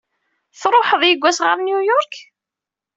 Tṛuḥeḍ yewwas ɣer New York?